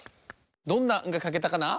どんな「ん」がかけたかな？